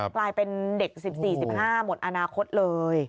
กลายเป็นเด็ก๑๔๑๕หมดอนาคตเลย